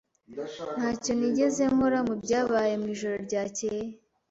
Ntacyo nigeze nkora mubyabaye mwijoro ryakeye.